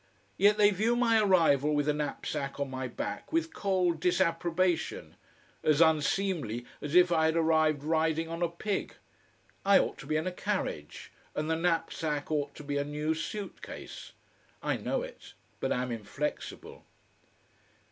Yet they view my arrival with a knapsack on my back with cold disapprobation, as unseemly as if I had arrived riding on a pig. I ought to be in a carriage, and the knapsack ought to be a new suit case. I know it, but am inflexible.